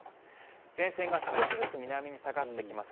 前線が少しずつ南に下がってきます。